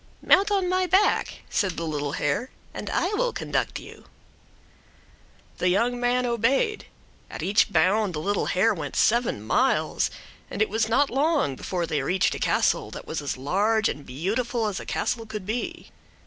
"Mount on my back," said the little hare, "and I will conduct you." The young man obeyed. At each bound the little hare went seven miles, and it was not long before they reached a castle that was as large and beautiful as a castle could be.